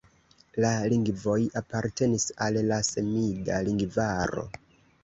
La lingvoj apartenis al la semida lingvaro.